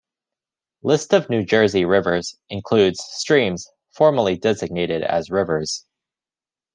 List of New Jersey rivers includes streams formally designated as rivers.